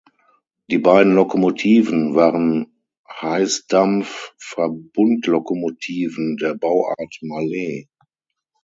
Die beiden Lokomotiven waren Heißdampf-Verbundlokomotiven der Bauart Mallet.